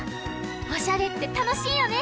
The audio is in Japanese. おしゃれってたのしいよね？